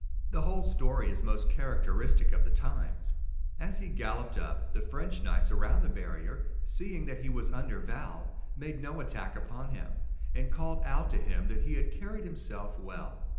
The whole story is most characteristic of the times. As he galloped up, the French knights around the barrier, seeing that he was under vow, made no attack upon him, and called out to him that he had carried himself well.